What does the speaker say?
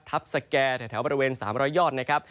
สแก่แถวบริเวณ๓๐๐ยอดนะครับ